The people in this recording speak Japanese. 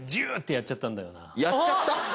やっちゃった？